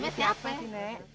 namanya siapa sih nek